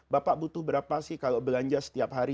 bapak butuh berapa sih kalau belanja setiap hari